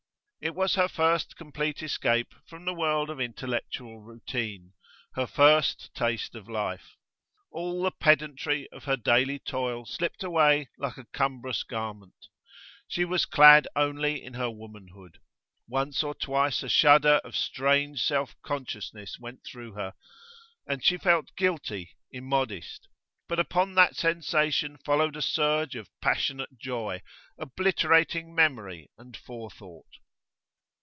It was her first complete escape from the world of intellectual routine, her first taste of life. All the pedantry of her daily toil slipped away like a cumbrous garment; she was clad only in her womanhood. Once or twice a shudder of strange self consciousness went through her, and she felt guilty, immodest; but upon that sensation followed a surge of passionate joy, obliterating memory and forethought.